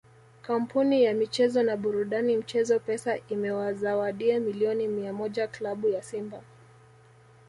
Kampuni ya michezo na burudani mchezo Pesa imewazawadia milioni mia moja klabu ya Simba